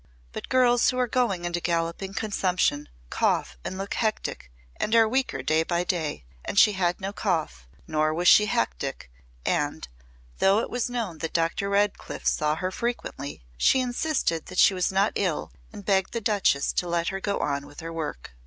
But girls who are going into galloping consumption cough and look hectic and are weaker day by day and she had no cough, nor was she hectic and, though it was known that Dr. Redcliff saw her frequently, she insisted that she was not ill and begged the Duchess to let her go on with her work.